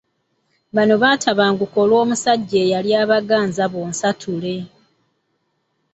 Bonna baatabanguka olw’omusajja eyali abaganza bonsatule.